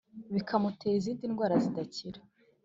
Bikamutera izindi ndwara zidakira